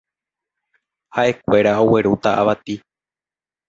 Ha'ekuéra oguerúta avati